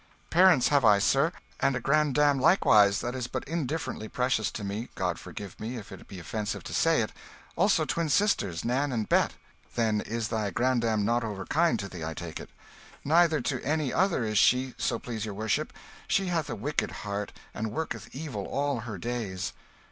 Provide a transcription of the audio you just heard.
"Parents have I, sir, and a grand dam likewise that is but indifferently precious to me, God forgive me if it be offence to say it also twin sisters, Nan and Bet." "Then is thy grand dam not over kind to thee, I take it?" "Neither to any other is she, so please your worship. She hath a wicked heart, and worketh evil all her days."